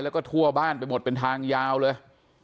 แล้วก็ทั่วบ้านไปหมดเป็นทางยาวเลย